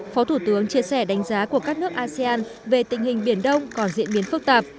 phó thủ tướng chia sẻ đánh giá của các nước asean về tình hình biển đông còn diễn biến phức tạp